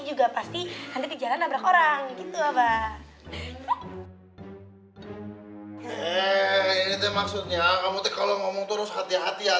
juga pasti nanti di jalan nabrak orang gitu abah maksudnya kamu kalau ngomong terus hati hati ya